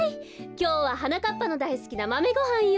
きょうははなかっぱのだいすきなマメごはんよ。